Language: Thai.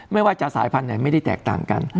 ไม่ว่าจะสายพันธุ์ไหนไม่ได้แตกต่างกัน